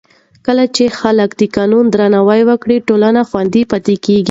کله چې خلک د قانون درناوی وکړي، ټولنه خوندي پاتې کېږي.